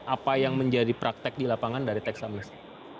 apa yang menjadi praktek di lapangan dari teks amnesty